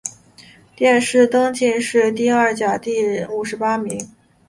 殿试登进士第二甲第五十八名。